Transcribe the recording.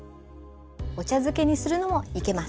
お茶漬けにするのもいけます。